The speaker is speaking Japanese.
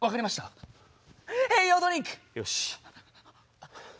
よし。